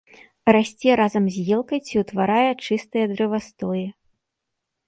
Расце разам з елкай ці ўтварае чыстыя дрэвастоі.